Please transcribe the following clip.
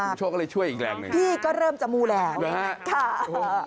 ผมโชคก็เลยช่วยอีกแหล่งหนึ่งพี่ก็เริ่มจมูลแหล่งค่ะอุตส่าห์ผูกโยงให้